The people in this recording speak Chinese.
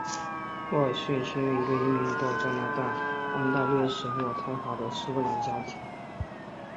威尔逊生于一个移民到加拿大安大略省渥太华的苏格兰家庭。